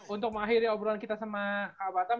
untuk mengakhiri obrolan kita sama kak batam